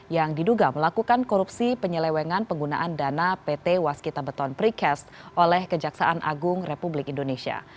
yang diduga melakukan korupsi penyelewengan penggunaan dana pt waskita beton precast oleh kejaksaan agung republik indonesia